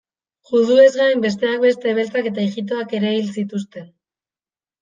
Juduez gain, besteak beste, beltzak eta ijitoak ere hil zituzten.